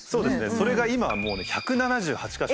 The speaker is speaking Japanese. それが今はもうね１７８か所。